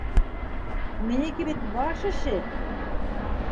Минеке бит баш эше!